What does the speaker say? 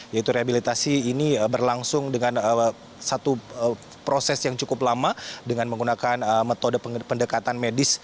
yaitu rehabilitasi ini berlangsung dengan satu proses yang cukup lama dengan menggunakan metode pendekatan medis